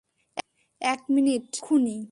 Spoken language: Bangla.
এক মিনিট, কারা খুনী?